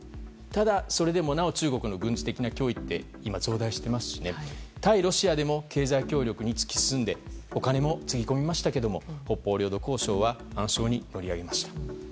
ただ、それでもなお中国の軍事的な脅威って今、増大していますし対ロシアでも経済協力に突き進んでお金もつぎ込みましたが北方領土交渉は暗礁に乗り上げました。